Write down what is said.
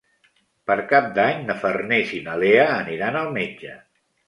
Per Cap d'Any na Farners i na Lea aniran al metge.